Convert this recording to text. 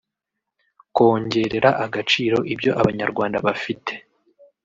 kongerera agaciro ibyo Abanyarwanda bafite